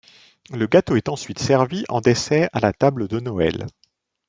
Le gâteau est ensuite servi en dessert à la table Noël.